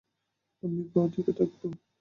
আমি বাঁ-দিকে থাকবো।